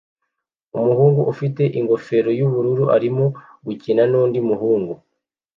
Umuhungu ufite ingofero yubururu arimo gukina nundi muhungu